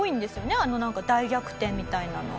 あの大逆転みたいなのは。